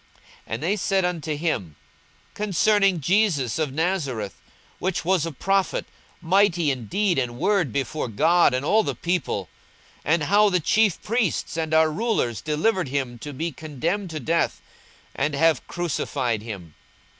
And they said unto him, Concerning Jesus of Nazareth, which was a prophet mighty in deed and word before God and all the people: 42:024:020 And how the chief priests and our rulers delivered him to be condemned to death, and have crucified him.